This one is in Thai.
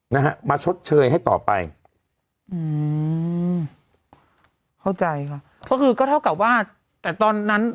นะฮะมาชดเชยให้ต่อไปอืมเข้าใจค่ะก็คือก็เท่ากับว่าแต่ตอนนั้น